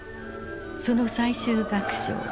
その最終楽章